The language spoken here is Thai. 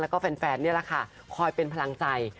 แล้วก็แฟนนี่แหละค่ะคอยเป็นพลังใจ